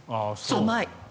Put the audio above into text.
甘い。